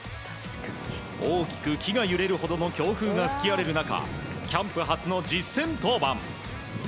大きく木が揺れるほどの強風が吹き荒れる中キャンプ初の実戦登板。